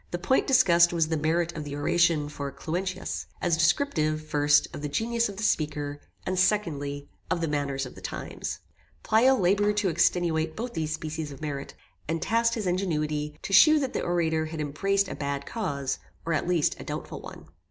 The point discussed was the merit of the oration for Cluentius, as descriptive, first, of the genius of the speaker; and, secondly, of the manners of the times. Pleyel laboured to extenuate both these species of merit, and tasked his ingenuity, to shew that the orator had embraced a bad cause; or, at least, a doubtful one.